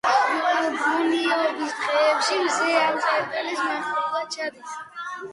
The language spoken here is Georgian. ბუნიობის დღეებში მზე ამ წერტილის მახლობლად ჩადის.